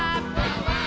はい！